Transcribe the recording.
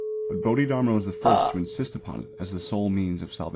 But Bodhidharma was the first to insist upon it as the sole means of salvation.